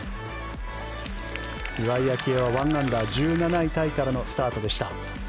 岩井明愛は１アンダー１７位タイからのスタートでした。